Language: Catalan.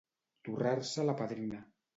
Torrar-se la padrina.